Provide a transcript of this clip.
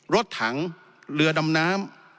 รถถังเรือดำน้ำ